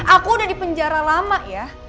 aku udah di penjara lama ya